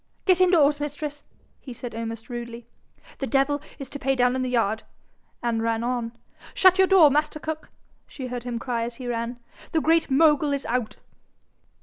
'Get indoors, mistress,' he said, almost rudely, 'the devil is to pay down in the yard.' and ran on. 'Shut your door, master cook,' she heard him cry as he ran. 'The Great Mogul is out.'